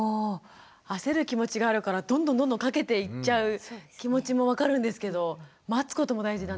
焦る気持ちがあるからどんどんかけていっちゃう気持ちも分かるんですけど待つことも大事なんですね。